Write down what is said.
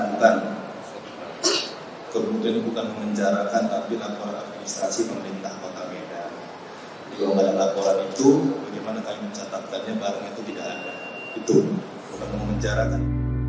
bukan kebutuhan ini bukan memenjarakan tapi laporan administrasi pemerintah kota medan